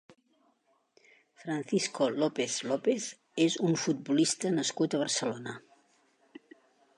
Francisco López López és un futbolista nascut a Barcelona.